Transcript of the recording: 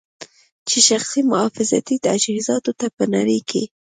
چې شخصي محافظتي تجهیزاتو ته په نړۍ کې